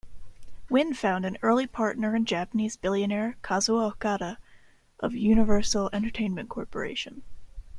Wynn found an early partner in Japanese billionaire Kazuo Okada of Universal Entertainment Corporation.